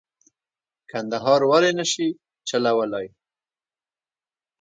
کندهار ولې نه شي چلولای.